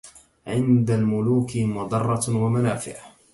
عند الملوك مضرة ومنافع